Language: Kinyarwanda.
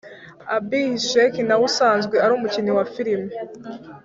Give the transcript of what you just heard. abhishek nawe usanzwe ari umukinnyi wa filimi